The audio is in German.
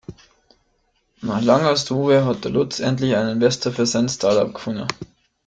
Nach langer Suche hat Lutz endlich einen Investor für sein Startup gefunden.